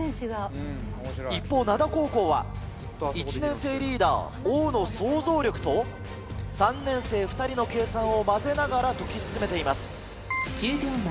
一方灘高校は１年生リーダー王の想像力と３年生２人の計算を交ぜながら解き進めています。